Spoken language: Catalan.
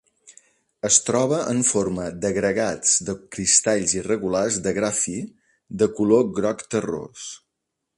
Es troba en forma d'agregats de cristalls irregulars de gra fi, de color groc terrós.